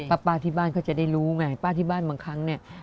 ป้าที่บ้านเขาจะได้รู้ไงป้าที่บ้านบางครั้งเนี่ย